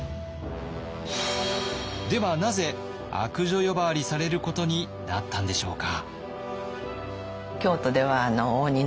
ではなぜ「悪女」呼ばわりされることになったんでしょうか？